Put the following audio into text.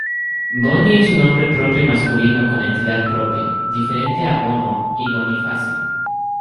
Boni es un nombre propio masculino con entidad propia, diferente a Bono y Bonifacio.